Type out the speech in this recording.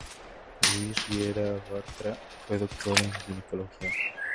Luis Riera Bartra fue doctor en ginecología.